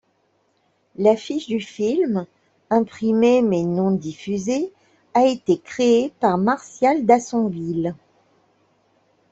L'affiche du film, imprimée mais non diffusée, a été créée par Martial Dassonville.